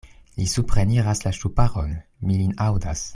Li supreniras la ŝtuparon: mi lin aŭdas.